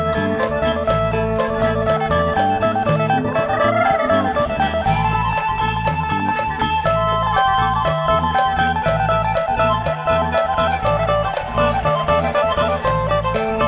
โชว์ฮีตะโครน